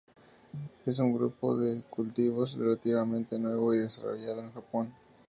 Es un grupo de cultivos relativamente nuevo y desarrollado en Japón.